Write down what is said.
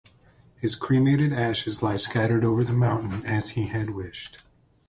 His cremated ashes lie scattered over the mountain as he had wished.